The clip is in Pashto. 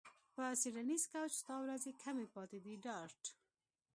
په څیړنیز کوچ ستا ورځې کمې پاتې دي ډارت